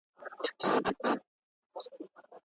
که ثيبې درې شپې اختيار کړې، هغه قضاء نلري.